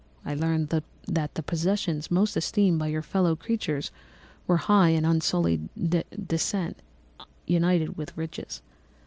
I learned that the possessions most esteemed by your fellow creatures were high and unsullied descent united with riches.